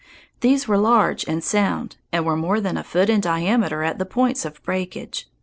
These were large and sound, and were more than a foot in diameter at the points of breakage.